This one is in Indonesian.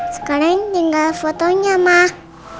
sekarang tinggal fotonya mbak